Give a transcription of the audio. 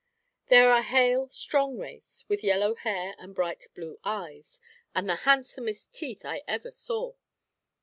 They are a hale, strong race, with yellow hair and bright blue eyes, and the handsomest teeth I ever saw.